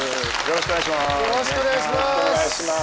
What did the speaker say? よろしくお願いします。